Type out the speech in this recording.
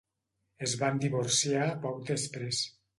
Es van divorciar poc després.